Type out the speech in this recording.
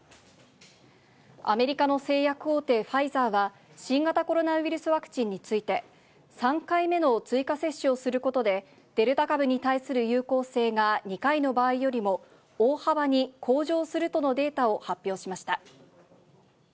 アメリカの製薬大手、ファイザーは、新型コロナウイルスワクチンについて、３回目の追加接種をすることで、デルタ株に対する有効性が２回の場合よりも大幅に向上するとのデータを発表しました。